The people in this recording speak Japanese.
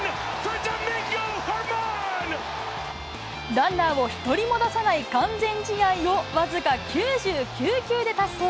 ランナーを一人も出さない完全試合を僅か９９球で達成。